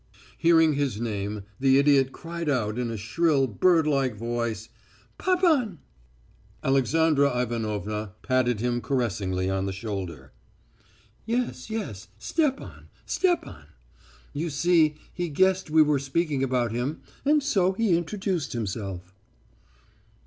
"Hearing his name the idiot cried out in a shrill, bird like voice: "'Papan!' "Alexandra Ivanovna patted him caressingly on the shoulder. "'Yes, yes, Stepan, Stepan.... You see, he guessed we were speaking about him and so he introduced himself.'